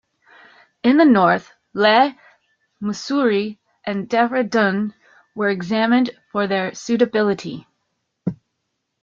In the north, Leh, Mussoorie and Dehra Dun were examined for their suitability.